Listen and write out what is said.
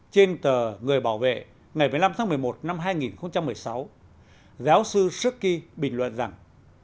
trên tờ người bảo vệ ngày một mươi năm tháng một mươi một năm hai nghìn một mươi sáu giáo sư schuki bình luận rằng